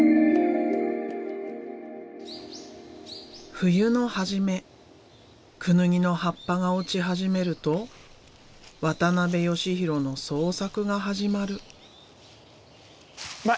冬の初めクヌギの葉っぱが落ち始めると渡邊義紘の創作が始まる。